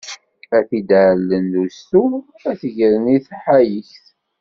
Ad t-id-ɛellen d ustu, ad t-gren i tḥayekt.